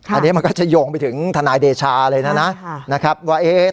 อันนี้มันก็จะโยงไปถึงทนายเดชาเลยนะนะครับว่า